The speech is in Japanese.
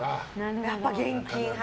やっぱ現金派。